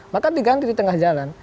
maka diganti di tengah jalan